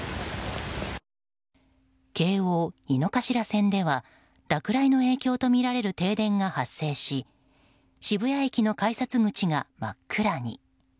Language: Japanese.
京王井の頭線では落雷の影響とみられる停電が発生し渋谷駅の改札口が真っ暗に。